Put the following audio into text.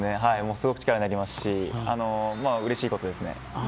すごく力になりますしうれしいことですね。